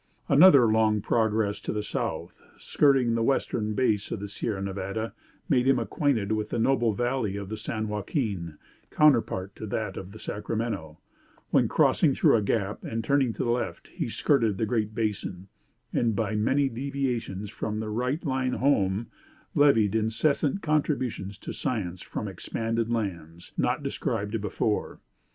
"Another long progress to the south, skirting the western base of the Sierra Nevada, made him acquainted with the noble valley of the San Joaquin, counterpart to that of the Sacramento; when crossing through a gap, and turning to the left, he skirted the Great Basin; and by many deviations from the right line home, levied incessant contributions to science from expanded lands, not described before.